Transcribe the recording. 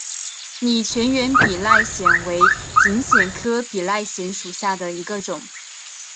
拟全缘比赖藓为锦藓科比赖藓属下的一个种。